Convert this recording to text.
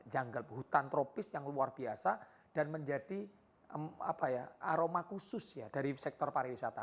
jungle hutan tropis yang luar biasa dan menjadi aroma khusus ya dari sektor pariwisata